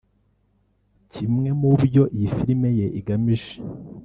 Kimwe mu byo iyi film ye igamije